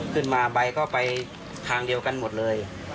ขึ้นมาใบก็ไปทางเดียวกันหมดเลย